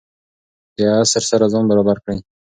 د عصر سره ځان برابر کړئ.